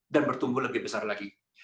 dan bertumbuh lebih besar lagi